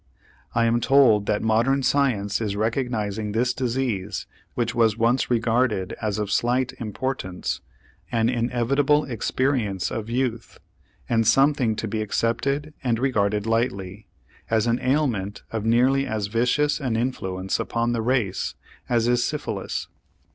I am told that modern science is recognizing this disease, which was once regarded as of slight importance, an inevitable experience of youth, and something to be accepted and regarded lightly, as an ailment of nearly as vicious an influence upon the race as is syphilis.